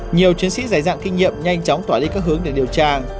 nhiều chiến sĩ dài dạng kinh nghiệm nhanh chóng tỏa đi các hướng để điều tra